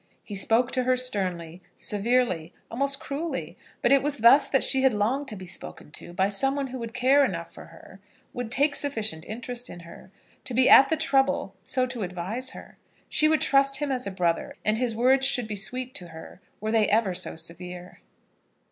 He spoke to her sternly, severely, almost cruelly. But it was thus that she had longed to be spoken to by some one who would care enough for her, would take sufficient interest in her, to be at the trouble so to advise her. She would trust him as a brother, and his words should be sweet to her, were they ever so severe.